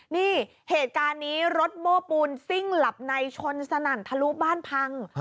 นี่เหตุการณ์นี้รถโม้ปูนซิ่งหลับในชนสนั่นทะลุบ้านพัง